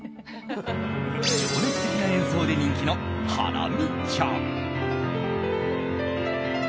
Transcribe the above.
情熱的な演奏で人気のハラミちゃん。